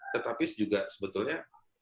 tetapi juga sebetulnya